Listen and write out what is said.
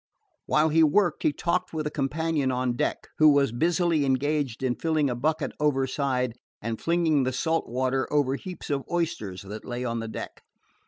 While he worked he talked with a companion on deck, who was busily engaged in filling a bucket overside and flinging the salt water over heaps of oysters that lay on the deck.